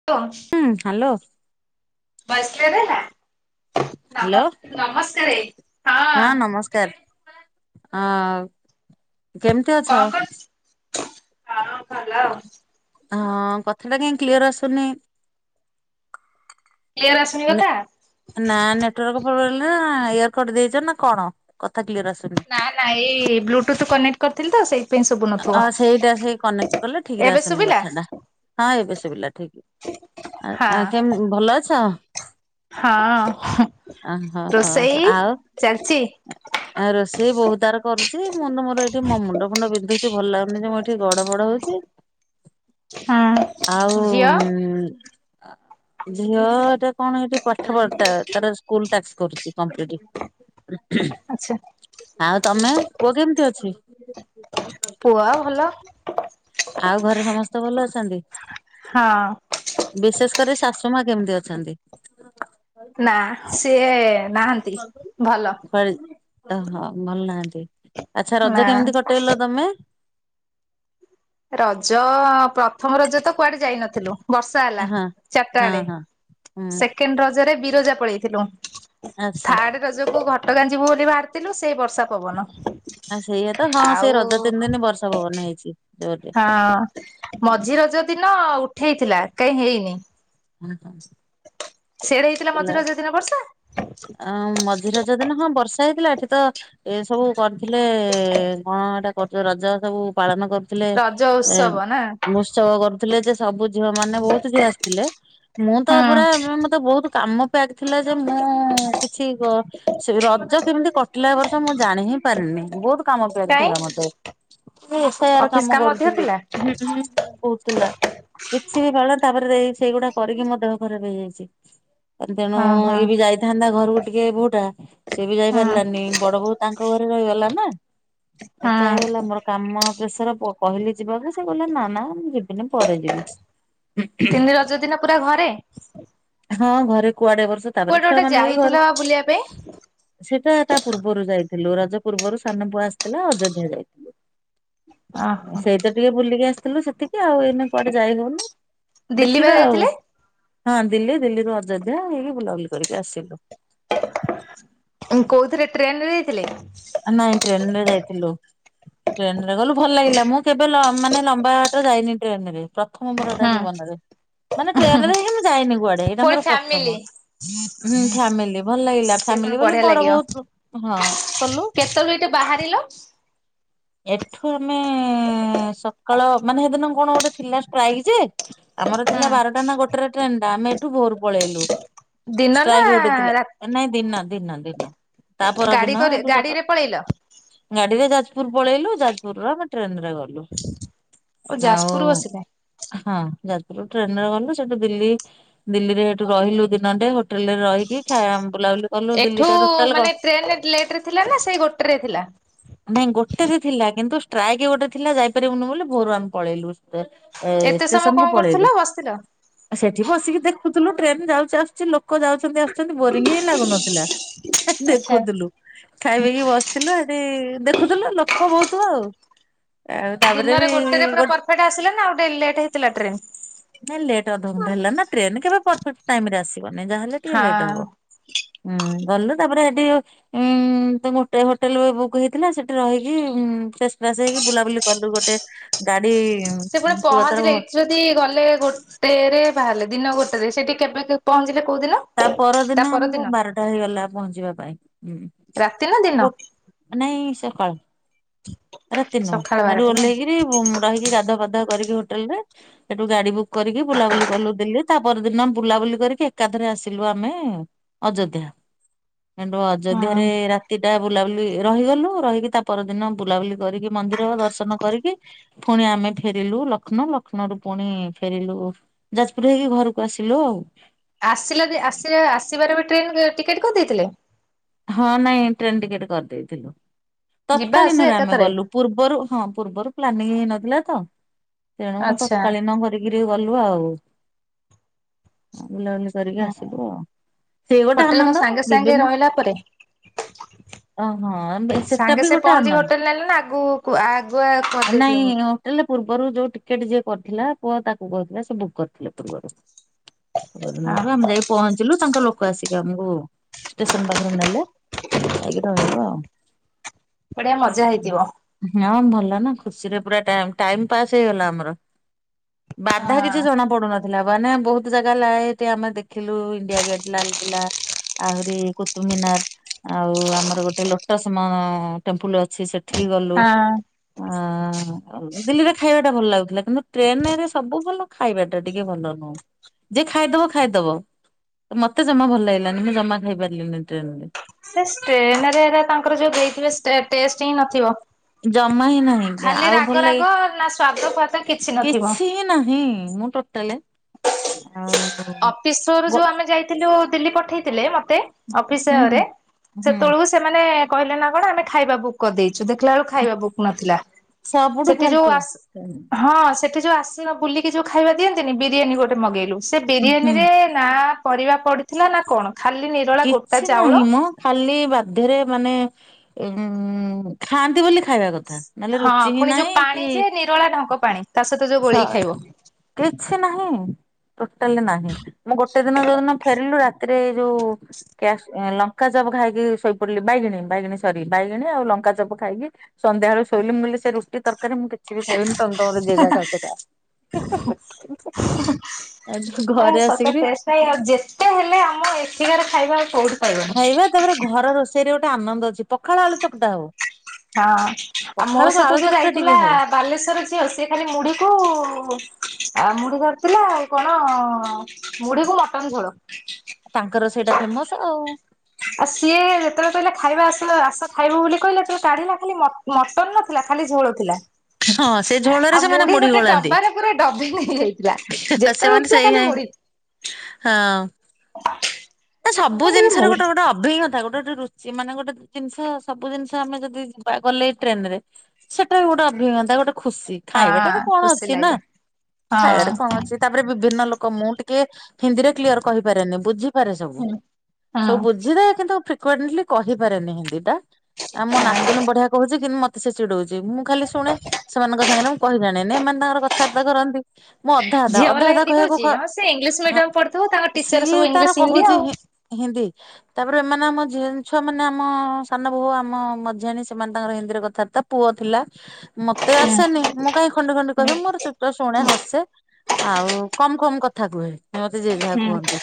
[unintelligible] ହୁଁ hello voice clear ହେଲା? Hello. ନମସ୍କାରେ। ହଁ ନମସ୍କାର ଅଁ କେମିତି ଅଛ? କରୁଛୁ? କଣ ଭଲ ଆଉ। ହଁ କଥା ଟା କାଇଁ କ୍ଲିୟର ଆସୁନି। କ୍ଲିୟର ଆସୁନି କଥା? ନା ନେଟୱାର୍କ ପ୍ରୋବ୍ଲେ ନା ଇୟର କଟ ଦେଇଚ ନା କଣ କଥା କ୍ଲିୟର ଆସ ନା [unintelligible] ନା ଏଇ ବ୍ଲୁ ଟୁଥ କନେକ୍ଟ କରିଥିଲ ତ ସେଇ ଆ ସେଇଟା ସେଇ କନେକ୍ଟ କଲେ ଠିକ ରେ ଏବେ ଆସୁନି ଶୁଭିଲା? କଥାଟା ହଁ ଏବେ ଶୁବିଲା ଠିକ। ଆଁ ହଁ ଆ କେମ ଭଲ ଅଛ? ହଁ ଅ ହଁ ହୋ ରୋଷେଇ ଆଉ ଚାଲିଛି ଆ ରୋଷେଇ ବହୁ ତାର କରୁଚି ମୁଁ ତ ମୋର ଏଠି ମ ମୁଣ୍ଡ ଫୁଣ୍ଡ ବିନ୍ଧୁଚି ଭଲ ଲାଗୁନି ଯେ ମୁଁ ଏଠି ଏଠି ଗଡ ପଡ ହଉଚି ଆଉ ହଁ ଝିଅ ହ [inaudible] ଝିଅ ଏଟା କଣ ଏଠି ପାଠ ପଟା ତାର ସ୍କୁଲ ଟାସ୍କ କରୁଚି କମ୍ପଲିଟ। ଆଚ୍ଛା ଆଉ ତମେ ପୁଅ କେମିତି ଅଛି? ପୁଅ ଭଲ। ଆଉ ଘରେ ସମସ୍ତେ ଭଲ ଅଛନ୍ତି? ହଁ ବିଶେଷ କରି ଶାଶୁ ମା କେମିତି ଅଛନ୍ତି? ନା ସିଏ ନାହାନ୍ତି ଭଲ। କୁଆଡେ ଅହ ଭଲ ନାହାନ୍ତି ଆଚ୍ଛା ନା ରଜ କେମିତି କଟେଇଲ ତମେ? ରଜ ପ୍ରଥମ ରଜ ତ କୁଆଡେ ଯାଇନଥିଲୁ। ବର୍ଷା ହେଲା ହଁ ଚାରାଟା ହଁ ବେଳେ ହଁ ହୁଁ ସେ କେଣ୍ଡ ରଜରେ ବିରଜା ପଳେଇଥିଲୁ ଆଚ୍ଛା। ଥାର୍ଡ଼ ରଜକୁୁ ଘଟଗାଁ ଯିବୁ ବୋଲି ବାହାରିଥିଲୁ ସେଇ ବର୍ଷା ପବନ। ଆଉ ସେଇଆ ତ ହଁ ସେଇ ଆଉ ରଜ ତିନି ଦିନ ବର୍ଷା ପବନ ହେଇଚି। ହଁ ମଝି ରଜ ଦିନ ଉଠେଇଥିଲା କାଇଁ ହେଇନି। ହଁ ହଁ ସିଆଡେ ହେଇଥିଲା ମଝି ରଜ ଦିନ ବର୍ଷା। ଅ ମଝିରଜ ଦିନ ହଁ ବର୍ଷା ହେଇଥିଲା ଏଠି ତ ଏ ସବୁ କରିଥିଲେ କଣ ଏଇଟା କରୁଚ ରଜ ସବୁ ପାଳନ କରୁ ଥିଲେ ରଜ ଏଁ ଉତ୍ସବ ନା ଉତ୍ସବ କରୁଥିଲେ ଯେ ସବୁ ଝିଅ ମାନେ ବହୁତ ଝିଅ ଆସିଥିଲେ ମୁଁ ତା ପୁରା ହୁଁ ମଁ ତ ବହୁତ କାମ ପ୍ୟାକ୍ ଥିଲା ଯେ ମୁଁ କିଛି କ ସେ ରଜ କେମିତି କଟିଲା ଏ ବର୍ଷ ମୁଁ ଜାଣି ହିଁ ପାରିନି ବହୁତ କାମ ପ୍ୟାକ୍ କାଇଁ ଥିଲା ମତେ। ସେ ଏସ୍ ଆଇଆର ଅଫିସ କାମ ଅଧିକ କରୁଥିଲି ଥିଲା? ବହୁତ ଥିଲା। କିଛି ବି ପାଳ ତାପରେ ଏଇ ସେଇଗୁଡା କରିକି ମୋ ଦେହ ଖରାପ ହେଇଯାଇଚି ତେଣୁ ହଁ ହଁ ଇଏ ବି ଯାଇ ଥାନ୍ତା ଘରକୁ ଟିକେ ବୋହୁ ଟା ସିଏ ବି ହଁ ଯାଇପାରିଲାନି ବଡ ବୋହୁ ତାଙ୍କ ଘରେ ରହିଗଲା ନା। ଏକା ହେଇଗଲା ହଁ ଆମର। କାମ ପ୍ରେସର ପ କହିଲି ଯିବା କୁ ସେ କହିଲା ନା ନା ମୁଁ ଯିବିନି ପରେ ଯିବି। ତିନି ରଜ ଦିନ ପୁରା ଘରେ? ହଁ ଘରେ କୁଆଡେ ବର୍ଷ ତାପରେ କୁଆଡେ ଛୁଆ ଗୋଟେ ଯାଇଥିଲା ବା ବୁଲିବା ପାଇଁ? ସେଟା ତା ପୂର୍ବରୁ ଯାଇଥିଲୁ ରଜ ପୂର୍ବରୁ ସାନ ପୁଅ ଆସିଥିଲା ଅଯୋଧ୍ୟା ଯାଇଥିଲୁ। ଓହୋ ସେଇ ତ ଟିକେ ବୁଲିକି ଆସିଥିଲୁ ସେତିକି ଆଉ ଏଇନ କୁଆଡେ ଯାଇ ହଉନି ଦିଲ୍ଲୀ ବା ଦେଖିବା ଆଉ। ଯାଇଥିଲେ? ହଁ ଦିଲ୍ଲୀ ଦିଲ୍ଲୀରୁ ଅଯୋଧ୍ୟା ହେଇକି ବୁଲାବନ୍ଦ କରିକି ଆସିଲୁ। କୋଉଥିରେ ଟ୍ରେନରେ ଯାଇଥିଲେ? ଆ ନା ଏଇ ଟ୍ରେନରେ‌ ଯାଇଥିଲୁ। ଟ୍ରେନ ରେ ଗଲୁ ଭଲ ଲାଗିଲା। ମୁଁ କେବେ ମାନେ ଲମ୍ବା ବାଟ ଯାଇନି ଟ୍ରେନ ରେ। ପ୍ରଥମ ମୋର ଏଇଟା ହୁଁ ଜୀବନରେ। ମାନେ ଟ୍ରେନ ରେ ହେଇ ମୁଁ ଯାଇନି କୁଆଡେ ଏଇଟା ଫୁଣି ମୋର ଫ୍ୟାମିଲି। ପ୍ରଥମ। ଫ୍ୟାମିଲି ଭଲ ଲାଗିଲା। ସେ ଫାମିଲି ପୁଣି ବୋଲି ବଢିଆ ବଡ ଲାଗିବ। ବହୁତ ହଁ। କଲୁ। କେତେବେଳୁ ଏଇଠି ବାହାରିଲ। ଏଠୁ ଆମେ ସକାଳ ମାନେ ସେଦିନ କଣ ଗୋଟେ ଥିଲା ଷ୍ଟ୍ରାଇକ ଯେ। ଆମର ହୁଁ ଥିଲା ବାରଟା ନା ଗୋଟେରେ ଟ୍ରେନ ଟା ଆମେ ଏଠୁ ଭୋର ପଳେଇଲୁ। ଦିନ ନା ଷ୍ଟକି ଉଠିଥିଲେ ରା ନାଇଁ ଦିନ ଦିନ ଦିନ। ତା ଗାଡି ପରଦିନ କରି ଏଠୁ ସକାଳ ଗାଡିରେ ପଳେଇଲ? ଗାଡିରେ ଯାଜପୁର ପଳେଇଲୁ ଯାଜପୁରରେ ଆମେ ଟ୍ରେନ ରେ ଗଲୁ ଓ ଆଉ ଯାଜପୁର ବସିଲେ। ହଁ ଯାତୁର ଟ୍ରେନରେ ଗଲ ସେଠୁ ଦିଲ୍ଲୀ। ଦିଲ୍ଲୀରେ ସେଠୁ ରହିଲୁ ଦିନଟେ ହୋଟେଲ ରେ ରହିକି ଖାଇବା ବୁଲାଲୁ ଏଠୁ ମାନେ ଟ୍ରେନ ଲେଟ ରେ ଥିଲା ନା ସେଇ ଗୋଟେ ରେ ଥିଲା। ନାଇଁ ଗୋଟେ ଥିଲା କିନ୍ତୁ ଷ୍ଟ୍ରାଇକ୍ ଗୋଟେ ଥିଲା ଯାଇପାରିବୁନି ବୋଲି ଭୋରୁ ଆମେ ପଳେଇଲୁ। ଏତେ ସମୟ ଷ୍ଟେସନକୁ କଣ କରୁଥିଲ ପଳେଇଲୁ। ବସିଥିଲ? ସେଠି ବସିକି ଦେଖୁଥିଲୁ ଟ୍ରେନ ଯାଉଛି ଆସୁଛି ଲୋକ ଯାଉଛନ୍ତି ଆସୁ ବୋରିଙ୍ଗ ହିଁ ଲାଗୁନଥିଲା ଆଚ୍ଛା। ଦେଖୁଥିଲୁ ଖାଇ ପଇକି ବସିଥିଲୁ ଆରି ଦେଖୁଥିଲେ ଲୋକ ବହୁତ ଥିବା ଆଉ ଆଉ ତାପରେ ବି ଦିନରେ ଗୋଟେରେ ପୁରା ଗୋଟେ ପରଫେକ୍ଟ ଆସିଲା ନା ଆଉ ଡେ ଲେଟ୍ ହେଇଥିଲା ଟ୍ରେନ୍? ନାଇଁ ଲେଟ୍ ଅଧଘଣ୍ଟା ହେଲା ନା ଟ୍ରେନ କେବେ ପରେକ୍ ଟାଇ ରେ ଆସିବନି ଯାହାହଲେ ଟିକେ ଲେଟ୍ ହଁ। ହବ। ହୁଁ ଗଲିଲୁ ତାପରେ ସେଠି ଉଁ ତ ଗୋଟେ ହୋଟେଲ ବୁକ୍ ହେଇ ଥିଲା ସେଠି ରହିକି ଉ ଫେ ଫାସ ହେଇକି ବୁଲାବୁଲି କଲୁ ଗୋଟେ ଗାଡି ପୁଅ ତାର ଭ ଯି ଗଲେ ଗୋଟେରେ ବାହାରିଲେ ଦିନ ଗୋଟେରେ ସେଠି କେବେ ପହଞ୍ଚିଲେ କୋଉଦିନ? ତା ପରଦିନ ଆମକୁ ବାରଟା ହେଇଗଲା ପହଞ୍ଚିବା ପାଇଁଁ। ରାତି ନା ଦିନ? ନାଇଁ ସକାଳ ରାତି ନୁ ସକାଳ ସେଠୁ ବାରଟା ନା ଓହ୍ଲେଇକିରି ରହିକି ଗାଧୁ ଫାଧା କରିକି ହୋଟେଲ ରେ ସେଠୁ ଗାଡି ବୁ କରିକି ବୁଲାବୁଲି କଲୁ ଦିଲ୍ଲୀରେ। ତା ପରଦିନ ବୁଲାବୁଲି କରିକି ଏକାଥରେ ଆସିଲୁ ଆମେ ଅଯୋଧ୍ୟା। ତେଣୁ ଅଯୋଧ୍ୟ ହଁ। ରେ ରାତି ଟା ବୁଲାବୁଲି ରହିଗଲୁ ରହିକି ତା ପରଦିନ ବୁଲାବୁଲି। କରିକି ମନ୍ଦିର ଦର୍ଶନ କରିକି ପୁଣି ଆମେ ଫେରିଲୁ ଲକ୍ଷ୍ନ ଲକ୍ଷ୍ନରୁୁ ପୁଣି ଫେରିଲୁ। ଯାଜପୁର ହେଇକି ଘରକୁ ଆସିଲୁ ଆଉ। ଆସିଲା ଆସ ଆସିବାର ବି ଟ୍ରେନ୍ ଟିକେଟ୍ କରିଦେଇଥିଲେ। ହଁ ନାଇଁ ଟ୍ରେନ ଟିକେଟ କରିଦେଇଥିଲୁ ଯିବା ଆସିବା ତତ୍କାଳୀନରେ ଆମେ ଏକାଥରେ ଗଲୁ। ପୂର୍ବରୁ ହଁ ପୂର୍ବରୁ ପ୍ଲାନିଂ ହେଇନଥିଲା ତ ତେଣୁ ଆଚ୍ଛା ତକାଳୀନ [unintelligible] କ ଗଲୁ ଆଉ ବୁଲାବୁଲି କରିକି ହୁଁ। ଆସିଲୁ ସେ ଗୋଟେ ଆନନ୍ଦ ବିଭିନ୍ନ। ତା ପରେ ଓହୋ ସେଟା ସାଙ୍ଗେ ବି ସେ ଗୋଟେ ପହଞ୍ଚି ହୋଟେଲ ନେଲେ ନା ଆଗକୁ ଆଗୁଆ ଆନନ୍ଦ କରିଦେଇଥିଲ ବୁକ୍? ନାଇଁ। ତାେଲେ ପୂର୍ବରୁ ଯୋଉ ଟିକେଟ ଯିଏ କରିଥିଲା ପୁଅ ତାକୁ କହୁଥିଲା ସେ ବୁକ୍ କରିଥିଲେ ପୂର୍ବରୁ ଦନ ହଁ [unintelligible] ଆମେ ଯାଇ ପହଞ୍ଚିଲୁ ତାଙ୍କ ଲୋକ ଆସିକି ଆମକୁ ଷ୍ଟେସନ ପାଖ ରୁ ନେଲେ ଯାଇକି ରହିଲୁ ଆଉ ବଢି ଆ ମଜା ହେଇଥିବ ହଁ ଭଲ ନା ଖୁସିରେ ପୁରା ଟା ଟାଇମ ପାସ୍ ହେଇଗଲା ଆମର ହଁ। ବାଧା କିଛି ଜଣା ପଡୁନ ଥିଲା ମାନେ ବହୁତ ଜାଗା ଲାଇଠି ଆମେ ଦେଖିଲୁ ଇଣ୍ଡିଆ ଗେଟ୍ ଲାଲ୍ କିଲା ଆହୁରି ମିନାର ଆଉ ଆମର ଗୋଟେ ଲୋଟସ୍ ମ ଟେମ୍ପଲ ଅଛି ସେ ଠିକ ଗଲୁ ହଁ ହ ଦିଲ୍ଲୀରେ ଖାଇବା ଟା ଭଲ ଲାଗୁଥିଲା କିନ୍ତୁ ଟ୍ରେନ ରେ ସବୁ ଭଲ ଖାଇବା ଟା ଟିକେ ଭଲ ନୁହେଁ ଯେ ଖାଇଦବ ଖାଇଦବ ମତେ ଜମା ଭଲ ଲାଗିଲାନି ମୁଁ ଜମା ଖାଇ ପାରିଲିନି ଟ୍ରେନରେ ସେ ଷ୍ଟେନରେ ହେରା ତାଙ୍କର ଯୋଉ ଦେଇଥିବେ ଷ୍ଟେ ଟେ ଟେଷ୍ଟ ହିଁ ନଥିବ ଜମା ହିଁ ନାହିଁ ଖାଲି ଆଉ ଭଲ ରାଗ ଲାଗେ ରାଗ ନା ସ୍ଵାଦ ଫାୱିଦ କିଛି ନଥିବ ଏ ନାହିଁ ମୁଁ ଟୋଟାଲେ ହ ଆଉ [unintelligible] ଅଫିସରୁ ଗୋ ଯୋଉ ଆମେ ଯାଇଥିଲୁ ଦିଲ୍ଲୀ ପଠେଇଥିଲେ ମତେ ହୁଁ ହୁଁ ଅଫିସରେ ହୁଁ ସେତେବେଳକୁ ସେମାନେ କହିଲେ ନା କଣ ଆମେ ଖାଇବା ବୁକ୍ କରିଦେଇଛୁ ଦେଖିଲା ବେଳୁ ଖାଇବା ବୁକ୍ ନଥିଲା ସବୁଠୁ ସେଠି ଯୋଉ ଆସ ଫାଲତୁ ହଁ ସେଠି ଯୋଉ ଆସି ବୁଲିକି ଯୋଉ ଖାଇବା ଦିଅନ୍ତିନି ବିରିୟାନୀ ଗୋଟେ ମଗେଇଲୁ ସେ ଉଁ ହୁଁ ବିରିୟାନୀରେ ନା ପରିବା ପଡିଥିଲା ନା କଣ ଖାଲି ନିରଳା ଗୋଟା କିଛି ନାହିଁ ଚାଉଳ ମ ଖାଲି ବାଧ୍ୟରେ ମାନେ ଉ ଖାଆନ୍ତି ବୋଲି ଖାଇବା କଥା ନହେଲେ ହଁ ରୁଚି ହିଁ ପୁଣି ଯୋଉ ନାହିଁ ପାଣି କି ଯେ ନିରଳା ଢଙ୍କ ପାଣି ତା ସହିତ ଯୋଉ ସ ଗୋଳେଇକି ଖାଇବ। କିଛି ନାହିଁ ଟୋଟାଲି ନାହିଁ ମୁଁ ଗୋଟେ ଦିନ ଯୋଉଦିନ ଫେରିଲୁ ରାତି ରେ ଯୋଉ ଲଙ୍କାଚପ ଖାଇକି ଶୋଇପଡିଲି ବାଇଗିଣୀ ବାଇଗିଣ ସରି ବାଇଗିଣୀ ଆଉ ଲଙ୍କାଚପ ଖାଇକି ସନ୍ଧ୍ୟାବେଳ ଶୋଇଲି ମୁ କହିଲି ସେ ରୁଟି ତରକାରୀ ମୁଁ କିଛି ସେ ବି ଖାଇବେନି ତ ତ ମରେ ଜେଜା ଖାଉଛ ଖାଁ ଆଉ ଯୋଉ ଘରେ ଆସିକିରି ନାଇଁ ଆଉ ଯେତେ ହେଲେ ଆମ ଏଠିକାରେ ଖାଇବା କୋଉଠି ପାଇବନି। ଖାଇବା ତାପରେ ଘର ରୋଷେଇ ରେ ଗୋଟେ ଆନନ୍ଦ ଅଛି ପଖାଳ ଆଳୁ ଚକଟା ହଉ ହଁ ଆଉ ମୋ ପଖାଳକୁ ସହିତ ଆଳୁ ଯୋଉ ଚକଟା ଟିକେ ଯାଇଥିଲା ହଉ ବାଲେଶ୍ଵର ଝିଅ ସେ ଖାଲି ମୁଢିକୁ ଆ ମୁଢି ଧରିଥିଲା ଆଉ କଣ ମୁଢୀକୁୁ ମଟନ ଝୋଳ ତାଙ୍କର ସେଇଟା ଫେମସ ଆଉ ଆଉ ସିଏ ଯେତେବେଳେ କହିଲେ ଖାଇବା ଆସ ଆସା ଖାଇବ ବୋଲି କହିଲେବେଳେ କାଢିଲା ଖାଲି ମତେ ମଟନ ନଥିଲା ଖାଲି ଝୋଳ ଥିଲା ହଁ ସେ ଝୋଳରେ ଆଉ ସେମାନେ ମୁଢି ଗୋଟେ ଗୋଳାନ୍ତି ଡବାରେ ପୁରା ଡବି ନେଇଯାଇଥିଲା ଯେତେବେଳେ ସେମାନେ ଉଠୁଥିଲା ସେଇ ଖାଲି ମୁଢି ହଁ ହ ତ ସବୁ ଜିନିଷ ରେ ଗଟେ ଗୋଟେ ଅଭିଜ୍ଞତା ଗଟ ଗଟେ ସେମାନେ ଗୋଟେ ଜିନିଷ ସବୁ ଜିନିଷ ଆମେ ଯଦି ଯିବା ଗଲେ ଟ୍ରେନରେ ସେଟା ବି ଗୋଟେ ଅଭିଜ୍ଞତା ଗୋଟେ ଖୁସି ହଁ ଖାଇବାଟା ବି କଣ ଖୁସି ଅଛି ନା ଲାଗେ ଖାଇବାରେ ହଁ କଣ ଅଛି ତାପରେ ବିଭିନ୍ନ ଲୋକ ମୁଁ ଟିକେ ହିନ୍ଦୀରେ କ୍ଲିୟର କହିପାରେନି ବୁଝିି ପାରେ ସବୁ ହୁଁ। ସବୁ ହଁ ବୁଝିଥାଏ କିନ୍ତୁ ଫ୍ରଣ୍ଟଲି କହିପାରେନି ହିନ୍ଦୀଟା ଆମ ନାତୁଣୀ ବଢିଆ କହୁଛି କିନ୍ ମତେ ସେ ଚିଡଉଚଚି ମୁଁ ଖାଲି ଶୁଣେ ସେମାନଙ୍କ ସାଙ୍ଗରେ। କହିଲାଣି ନେ ଏମାନେ ତାଙ୍କର କଥାବାର୍ତ୍ତା କରନ୍ତି ମୁଁ ଅଧା ଅଧା ଝିଅ ଅଧା ବାଲା ଅଧା ହିନ୍ଦୀ କହିବାକୁ କହୁଚି କ ହଁ ସେ ଇଂଲିଶ ହଁ ମିଡିୟମ ପଢିଥିବ ତାଙ୍କ ଟିଚର ସିଏ ସବୁ ତାର ଇଂଲିଶ ହିନ୍ଦୀ କହୁଛି ଆଉ। ହି ହିନ୍ଦୀ ତାପରେ ଏମାନେ ଆମ ଝିଅ ଛୁଆ ମାନେ ଆମ ସାନ ବୋଉ ଆମ ମଝାହଣୀ ସେମାନେ ତାଙ୍କର ହିନ୍ଦୀରେ କଥାବାର୍ତ୍ତା ପୁଅ ଥିଲା ମତେ ହୁଁ ଆସେନି ମୁକାଇଁ ଖଣ୍ଡେ ଖଣ୍ଡେ ହୁଁ କହିବି ମୋର ଚୁପ ତୋ ଶୁଣେ ହସେ ଆଉ କମ କମ କଥା କୁହେ ମତେ ଯିଏ ଯାହା ହୁଁ। କୁହନ୍ତି।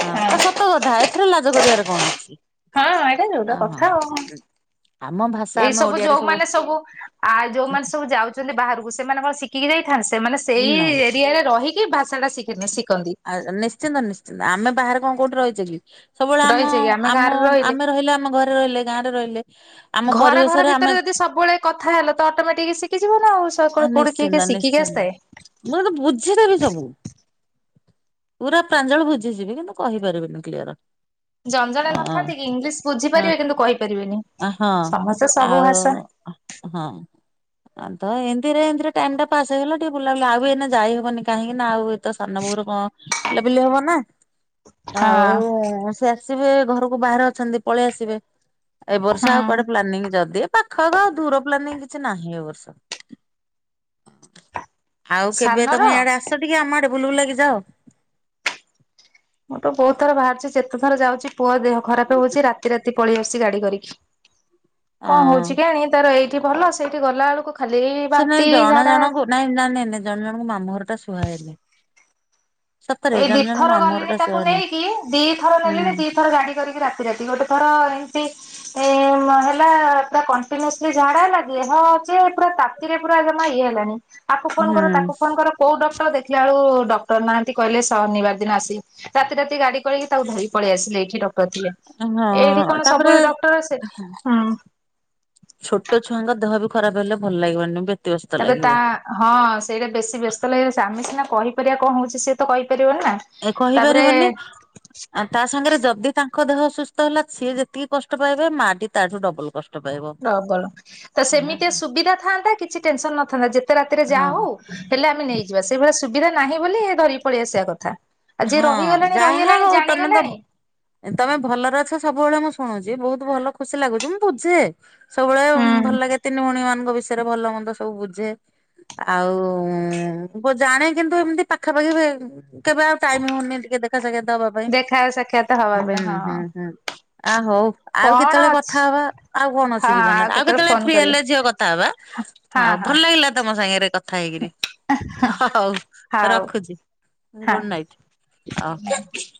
ହଁ ତୋ ସତ କଥା ଏଥିରେ ଲାଜ କରିବାରେ କଣ ଅଛି। ଏଟା ଯୋଉଟା ଅହୋ କଥା ଆଉ। ଆମ ଭାଷ ଏଇ ସବୁ ଯୋଉମାନୋନ ସବୁ ଆ ଯୋଉମାନୋନ ସବୁ ଯାଉ ଚନ୍ତି ବାହାରକୁ ସେମାନେ କଣ ଶିଖିକି ଯାଇଥାନ୍ତି ସେମାନେ ଉଁ ସେଇ ନାଇଁ ଏରିଆରେ ରହିକି ଭାଷା ଟା ସିକିନ ଶିଖନ୍ତି। ନିଶ୍ଚିନ୍ତ ନିଶ୍ଚିନ୍ତ ଆମେ ବାହାରେ କଣ କୋଉଠି ରହିଚେ କି? ସବୁବେଳେ ଆମ ରହିଛେ କି ଆମେ ଆମ ଗାଁରେ ଆମେ ରହିଲେ ଆମ ଘରେ ରହିଲେ ଗାଁରେ ରହିଲେ। ଆମ ପରିବେଶରେ ଆମେ ସେ ସବୁବେଳେ କଥା ହେଲା ତ ଅଟୋମେଟିକ ଶିଖିଯିବ ନା ଆଉ କୋଉଠି ନିଶ୍ଚିନ୍ତ କିଏ ସିଖିକି ନିଶ୍ଚିନ୍ତ ଆସିଥାଏ। ମୁଁ ଏତ ବୁଝିଟେବ ସବୁ ପୁରା ପ୍ରାଞ୍ଜଳ ବୁଝିଯିବି କିନ୍ତୁ କହିପାରିବିନି କ୍ଲିୟର। ଜଞ୍ଜାଣା ଅଁ ହଁ ନଥାନ୍ତି କି ଇଂଲିଶ ହଁ। ବୁଝିପାରିବେ କିନ୍ତୁ କହିପାରିବେନି। ସମସ୍ତେ ସବୁ ଭାଷା ହୁଁ ଆ ତ ଏ ତିରେ ଏମିତିରେ ଟାଇମ୍ ଟା ପାସ୍ ହେଇଗଲା ଟିଏ ବୁଲାବୁଲି ଆଉ ବି ଏଇନା ଯାଇ ହବନି କାହିଁକି ନା ଆଉ ଏତ ସାନ ବୋହୁ ର କଁ ପିଲା ପିଲି ହବ ନା ହଁ ଆଉ ସେ ଆସିବେ ଘରକୁ ବାହାରେ ଅଛନ୍ତି ପଳେଇ ଆସିବେ। ଏ ବର୍ଷ ହୁଁ ଆଉ କୁଆଡେ ପ୍ଲାନିଂ ଯଦି ଏ ପାଖ ଆଖ ଦୂର ପ୍ଲାନିଂ କିଛି ନାହିଁ ଏ ବର୍ଷ। ଆଉ କେବେ ସାନର ତମେ ଇଆଡେ ଆସ ଟିକେ ଆମ ଆଡେ ବୁଲ ବୁଲାକି ଯାଅ। ମୁଁ ତ ବହୁତ ଥର ବାହାରୁଚି ଯେତେ ଥର ଯାଉଚି ପୁଅ ଦେହ ଖରାପ ହୋଉଚି ରାତି ରାତି ପଳେଇ ଆସଚି ଗାଡି କରିକି, କଣ ହଉଛି କେଆଣି ତାର ଏଇଠି ଭଲ ସେଇଠି ଗଲା ବେଳକୁ ଖାଲି ସେ ନାଇଁ ବାନ୍ତି, ଜଣ ଝାଡା ଜଣଙ୍କୁ ନାଇଁ ନା ନାଇଁ ନାଇଁ ଜଣ ଜଣକୁ ମାମୁଁ ଘର ଟା ଶୁହାଏନି। ଏଇ ଦିଥର ମାମୁଁ ଘର ଗଲିଣି ଟା ତାକୁ ସୁହାଏନି ନେଇକି ଦିଥର ନେଲିଣିି ହୁଁ ଦିଥର ଗାଡି କରିକି ରାତି ରାତି ଗୋଟେ ଥର ଏମତି ଏଁ ମା ହେଲା ପୁରା କଣ୍ଟିନୁୟସଲି ଝାଡା ଲାଗି ହଁ ଅଛି ପୁରା ତାତିରେ ପୁରା ଜମା ଇଏ ହେଲାନି ଆକୁ ଫୋନ କର ହୁଁ ତାକୁ ଫୋନ କର କୋଉ ଡକ୍ଟର ଦେଖିଲା ବେଳ ଡକ୍ଟର ନାହା ତି କହିଲେ ଶନିବାର ଦିନ ଆସି ରାତି ରାତି ଗାଡି କରିକି ତାକୁ ଧରିକି ପଳେଇ ଆସିଲି ଏଇଠି ଡକ୍ଟର ଥିଲେ। ଏଇଠି ହଁ କଣ ତାପରେ ସବୁବେଳେ ଡକ୍ଟର ସେଠି? ହୁଁ। ଛୋଟ ଛୁଆଙ୍କ ଦେହ ବି ଖରାପ ହେଲେ ଭଲ ଲାଗିବନି ବେ ତେବେ ତା ହଁ ସେଇଟା ବେଶୀ ବ୍ୟସ୍ତ ଲାଗିବ ସେ ଆମେ ସିନା କହିପାରିବା କଁ ହଉଛି ସିଏ ତ କହିପାରିବନି ନା। ଏ ତାପରେ କହିପାରିବନି ଆ ତା ସାଙ୍ଗେରେ ଯଦି ତାଙ୍କ ଦେହସୁସ୍ଥ ହେଲା ସିଏ ଯେତିକି କଷ୍ଟ ପାଇବେ ମାଟି ତାଠୁ ଡବଲ କଷ୍ ପ୍ରବଳ ତ ସେମିତି ସୁବିଧା ଥାନ୍ତା କିଛି ଟେନସନ ନଥାନ୍ତା ଯେତେ ରାତିରେ ହଁ ଯାହା ହଉ ହେଲେ ଆମେ ନେଇଯିବା ସେଇଭଳିଆ ସୁବିଧା ନାହିଁ ବୋଲି ଧରିକି ପଳେଇ ଆସିବା କଥା। ଆ ଜିିଏ ହଁ ରହିଗଲାଣି ରହିଗଲାଣି ଜାଣିଗଲାଣି ଏ ତମେ ଭଲରେ ଅଛ ସବୁବେଳେ ମୁଁ ଶୁଣୁଚି ବହୁତ ଭଲ ଖୁସି ଲାଗୁଚି ମୁଁ ବୁଝେ ସବୁବେଳେ ଭଲ ହୁଁ ଲାଗେ ତିନି ଭଉଣୀ ମାନଙ୍କ ବିଷୟରେ ଭଲ ମନ୍ଦ ସବୁ ବୁଝେ ଆଉ ବ ଜାଣେ କିନ୍ତୁ ଏମିତି ପାଖାପାଖି ବେ କେବେ ଆଉ ଟାଇମ୍ ହଉନି ଟିକେ ଦେଖାସାକ୍ଷାତ ହବା ପାଇଁ, ଦେଖା ସାକ୍ଷାତ ହବା ପାଇଁ ହୁଁ ହଁ ହୁଁ ହୁଁ ଆ ହଉ ଆଉ କଣ କେତେବେଳେ ଅଛି କଥା ହବା ଆଉ କଣ ଅଛି ହଁ ଜୀବନରେ ଆଉ କେତେବେଳେ ଫୋନ ଫ୍ରି କରିବି ହେଲେ ଝିଅ କଥା ହବା। ହଁ ହଉ ହଁ ଭଲ ଲାଗିଲା ତମ ସାଙ୍ଗେରେ କଥା ହେଇକିରି ହ ହଉ ରଖୁଛି। ଗୁଡ ହଁ। ନାଇଟ୍ [unintelligible]